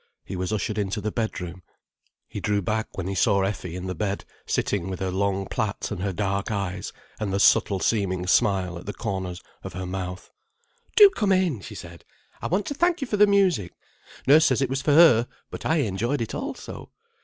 He was ushered into the bedroom. He drew back when he saw Effie in the bed, sitting with her long plaits and her dark eyes, and the subtle seeming smile at the corners of her mouth. "Do come in!" she said. "I want to thank you for the music. Nurse says it was for her, but I enjoyed it also.